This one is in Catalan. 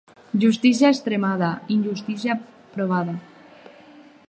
Justícia extremada, injustícia provada.